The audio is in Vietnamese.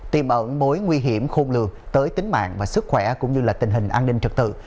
tìm ẩn bối nguy hiểm khôn lường tới tính mạng và sức khỏe cũng như tình hình an ninh trật tự